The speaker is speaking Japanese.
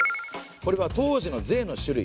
これは当時の税の種類。